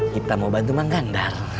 kita mau bantu mang kandar